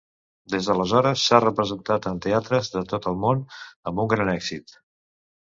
Des d'aleshores s'ha representat en teatres de tot el món amb un gran èxit.